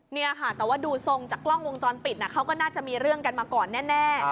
เนี่ยค่ะแต่ว่าดูทรงจากกล้องวงจรปิดเขาก็น่าจะมีเรื่องกันมาก่อนแน่